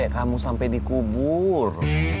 kamu sampai dikubur